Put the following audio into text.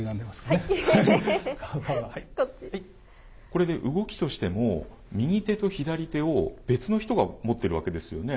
これで動きとしても右手と左手を別の人が持ってるわけですよね。